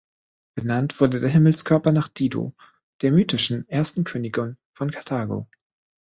Benannt wurde der Himmelskörper nach Dido, der mythischen, ersten Königin von Karthago.